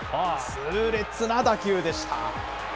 痛烈な打球でした。